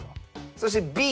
そしてＢ。